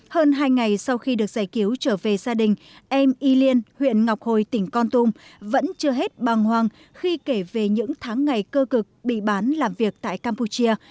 hơn hai ngày sau khi được giải cứu trở về gia đình em y liên huyện ngọc hồi tỉnh con tum vẫn chưa hết bằng hoàng khi kể về những tháng ngày cơ cực bị bán làm việc tại campuchia